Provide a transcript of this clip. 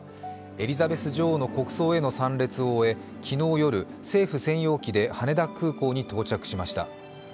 エリザベス女王の国葬への参列を終え昨日夜、政府専用機で羽田空港に到着しました。